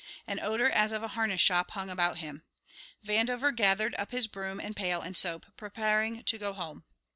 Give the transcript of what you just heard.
An odour as of a harness shop hung about him. Vandover gathered up his broom and pail and soap preparing to go home.